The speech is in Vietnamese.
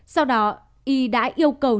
sau đó y đã yêu cầu